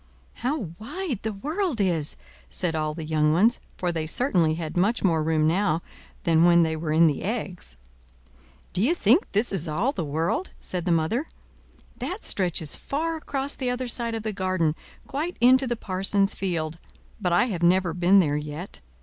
"How wide the world is!" said all the young ones, for they certainly had much more room now than when they were in the eggs. "D'ye think this is all the world?" said the mother. "That stretches far across the other side of the garden, quite into the parson's field; but I have never been there yet.